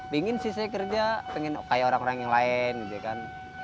pengen sih saya kerja pengen kayak orang orang yang lain gitu kan